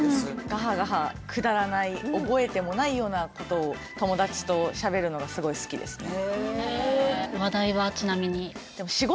ガハガハくだらない覚えてもないようなことを友達としゃべるのがすごい好きですね